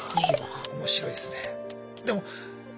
面白いですね。